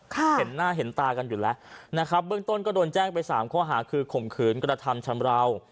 เห็นหน้าเห็นตากันอยู่แล้วนะครับเบื้องต้นก็โดนแจ้งไปสามข้อหาคือข่มขืนกระทำชำราว